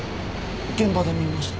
現場で見ました。